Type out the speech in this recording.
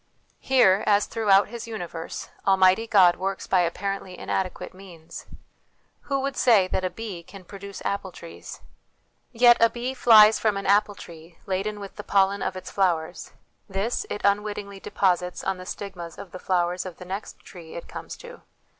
Here, as throughout his universe, Almighty God works by apparently inadequate means. Who would say that a bee can produce apple trees? Yet a bee flies from an apple tree laden with the pollen of its flowers : this it unwittingly deposits on the stigmas of the flowers of the next tree it comes to.